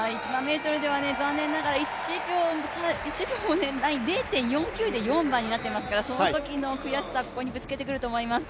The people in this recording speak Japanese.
１００００ｍでは残念ながら０．４９の差で４番になっていますからそのときの悔しさをここにぶつけてくると思います。